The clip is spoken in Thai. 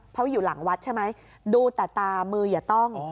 เพราะอยู่หลังวัดใช่ไหมดูแต่ตามืออย่าต้อง